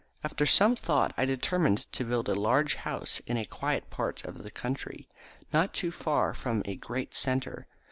After some thought I determined to build a large house in a quiet part of the country, not too far from a great centre.